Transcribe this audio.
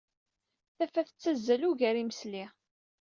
Tafat tettazzal ugar n yimesli.